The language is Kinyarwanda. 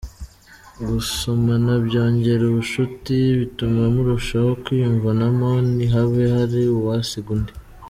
Gusomana byongera ubucuti, bituma murushaho kwiyumvanamo, ntihabe hari uwasiga undi.